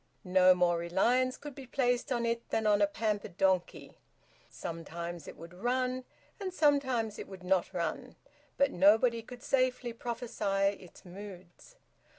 No more reliance could be placed on it than on a pampered donkey. Sometimes it would run, and sometimes it would not run, but nobody could safely prophesy its moods.